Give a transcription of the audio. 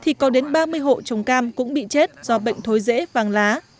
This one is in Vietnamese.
thì có đến ba mươi hộ trồng cam cũng bị chết do bệnh thối dễ vàng lá